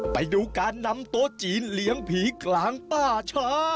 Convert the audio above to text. ไปดูการนำโต๊ะจีนเลี้ยงผีกลางป่าช้า